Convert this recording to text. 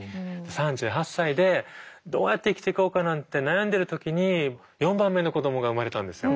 ３８歳でどうやって生きていこうかなんて悩んでる時に４番目の子どもが生まれたんですよ。